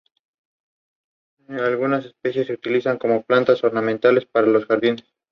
Algunas especies se utilizan como planta ornamental para los jardines.